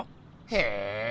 へえ！